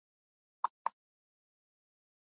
''مجھے کیوں نکالا‘‘۔